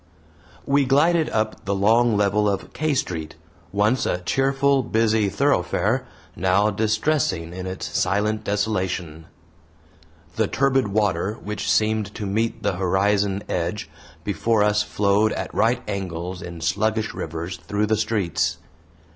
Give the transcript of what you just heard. We glided up the long level of K Street once a cheerful, busy thoroughfare, now distressing in its silent desolation. The turbid water which seemed to meet the horizon edge before us flowed at right angles in sluggish rivers through the streets.